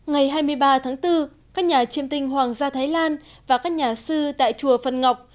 ngày hai mươi ba tháng bốn các nhà chiêm tinh hoàng gia thái lan và các nhà sư tại chùa phần ngọc